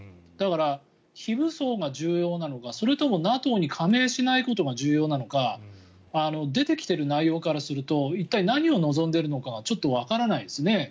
だから、非武装が重要なのかそれともＮＡＴＯに加盟しないことが重要なのか出てきている内容からすると一体何を望んでいるのかがちょっとわからないですね。